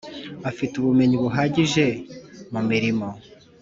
afite ubumenyi buhagije mu mirimo